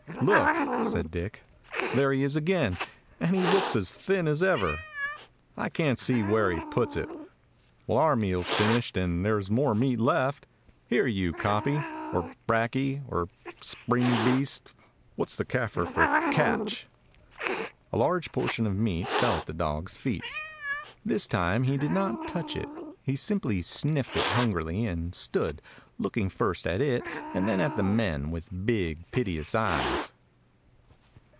"Look!" said Dick. "There he is again, and he looks as thin as ever. I can't see where he puts it. Well, our meal 's finished, and there 's more meat left. Here, you kopje — or brakje — or springbeest; what's the Kafir for 'catch'?" 188 A KAFIR DOG A large portion of meat fell at the dog's feet. This time he did not touch it. He simply sniffed it hungrily, and stood, looking first at it and then at the men, with big, piteous eyes.